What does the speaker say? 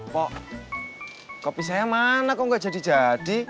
pok kopi saya mana kok nggak jadi jadi